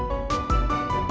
kalo kamu mau ngasih tau